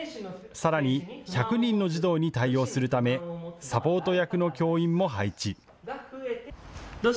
さらに１００人の児童に対応するためサポート役の教員も配置。